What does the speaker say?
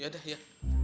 ya dah ya